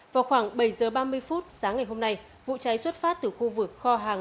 vào khoảng bảy h ba mươi phút sáng ngày hôm nay vụ cháy xuất phát từ khu vực kho hàng